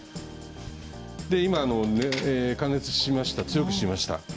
今、加熱して火を強くしました。